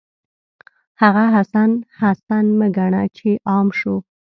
هغه حسن، حسن مه ګڼه چې عام شو